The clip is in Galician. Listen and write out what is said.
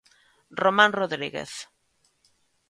Román Rodríguez.